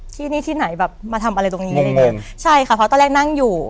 ที่นี่ที่ไหนแบบมาทำอะไรตรงนี้อะไรอย่างเงี้ยใช่ค่ะเพราะตอนแรกนั่งอยู่